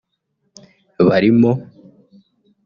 Barimo